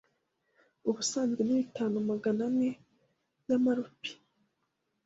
ubusanzwe ni bitanu maganen y'amarupi,